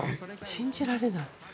信じられない。